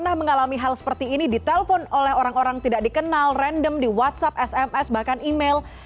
pernah mengalami hal seperti ini ditelepon oleh orang orang tidak dikenal random di whatsapp sms bahkan email